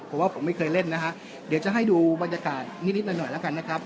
ผมว่าผมไม่เคยเล่นนะฮะเดี๋ยวจะให้ดูบรรยากาศนิดหน่อยหน่อยแล้วกันนะครับ